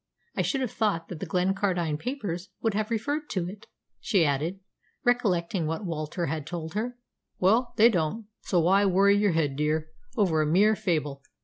"I should have thought that the Glencardine papers would have referred to it," she added, recollecting what Walter had told her. "Well, they don't; so why worry your head, dear, over a mere fable?